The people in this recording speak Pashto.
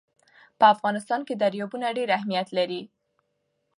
په افغانستان کې دریابونه ډېر اهمیت لري.